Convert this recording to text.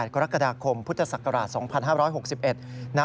๒๘กรกฎาคม๒๕๖๑นะครับ